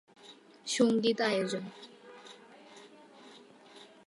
সংগীত আয়োজন!